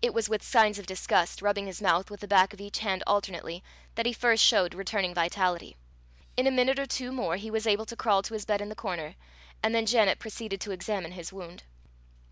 It was with signs of disgust, rubbing his mouth with the back of each hand alternately, that he first showed returning vitality. In a minute or two more he was able to crawl to his bed in the corner, and then Janet proceeded to examine his wound.